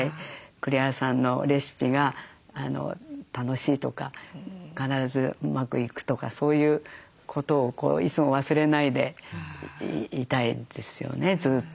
栗原さんのレシピが楽しいとか必ずうまくいくとかそういうことをいつも忘れないでいたいですよねずっとね。